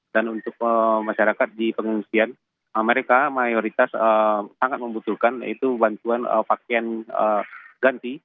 dan untuk masyarakat di pengungsian mereka mayoritas sangat membutuhkan bantuan pakaian ganti